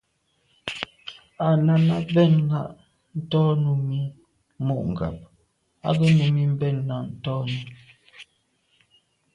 Â Náná bɛ̂n náɁ tɔ́ Númí mû ŋgáp á gə́ Númí bɛ̂n náɁ tɔ́n–í.